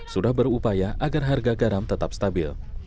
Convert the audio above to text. sudah berupaya agar harga garam tetap stabil